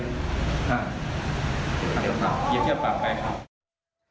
อืมอย่าเชื่อปรับไปครับ